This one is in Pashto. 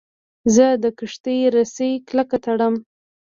زه د کښتۍ رسۍ کلکه تړم.